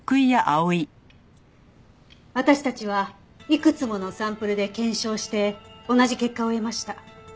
私たちはいくつものサンプルで検証して同じ結果を得ました。